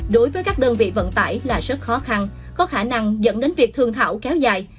đối với các đơn vị vận tải là rất khó khăn có khả năng dẫn đến việc thương thảo kéo dài